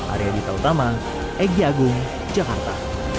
arya dita utama egyagung jakarta